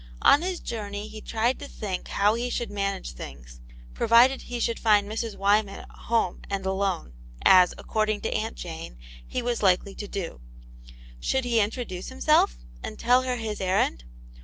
On his journey he tried to think how he should manage things, provided he should find Mrs. Wyman at home and alone, as, according to Aunt Jane, he was likely to do ; should he introduce himself and tell her his errand